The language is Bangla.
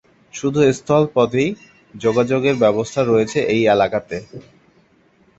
শুধু স্থল পথেই যোগাযোগের ব্যবস্থা রয়েছে এই এলাকাতে।